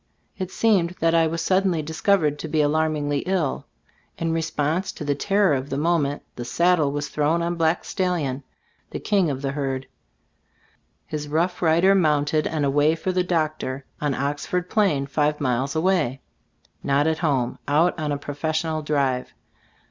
It seems that I was suddenly discovered to be alarmingly ill. In response to the terror of the moment, the saddle was thrown on Black Stallion, the king of the herd, his rough rider mounted and away for the doctor, on "Oxford Plain," five miles away. "Not at Gbe Storg of Ag Cbtlftbooft 35 home — out on a professional drive."